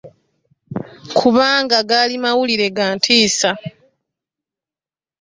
Kubamga gaali mawulire ga ntiisa .